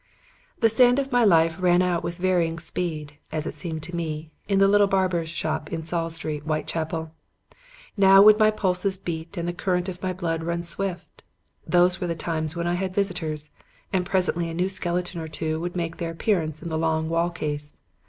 "The sand of my life ran out with varying speed as it seemed to me in the little barber's shop in Saul Street, Whitechapel. Now would my pulses beat and the current of my blood run swift. Those were the times when I had visitors; and presently a new skeleton or two would make their appearance in the long wall case.